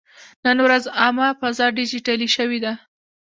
نن ورځ عامه فضا ډیجیټلي شوې ده.